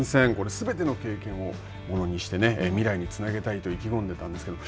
すべての経験をものにして未来につなげたいと意気込んでいたんですけど